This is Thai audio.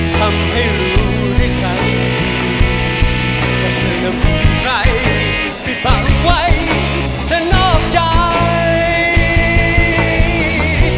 ทำให้รู้ได้กันแต่เธอน้ำในใจมีฝังไว้แต่นอกใจ